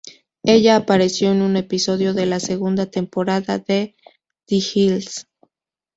Ella apareció en un episodio de la segunda temporada de "The Hills".